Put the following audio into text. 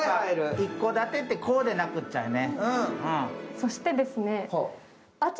一戸建てってこうでなくっちゃね。